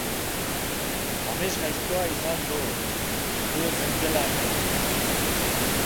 Amesgaiztoa izan dut... zu ez zeundela he-men.